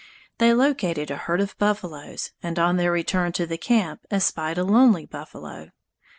They located a herd of buffaloes, and on their return to the camp espied a lonely buffalo.